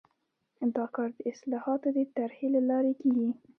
دا کار د اصلاحاتو د طرحې له لارې کیږي.